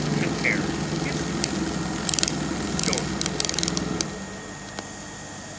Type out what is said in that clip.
Compare HISTORY; STORY.